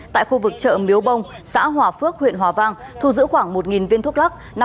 tại khu vực chợ miếu bông xã hòa phước huyện hòa vang thu giữ khoảng một viên thuốc lắc